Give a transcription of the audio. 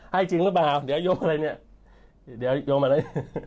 ให้จริงหรือเปล่าเดี๋ยวโยงอะไรเนี่ยเดี๋ยวโยงอะไร